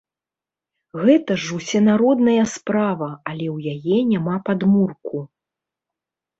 Гэта ж усенародная справа, але ў яе няма падмурку.